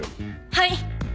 はい。